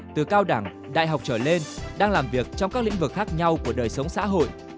từ cao đẳng đại học trở lên đang làm việc trong các lĩnh vực khác nhau của đời sống xã hội